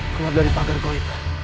keluar dari pagar koin